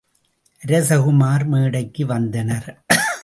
அரசகுமரர் மேடைக்கு வந்தனர்.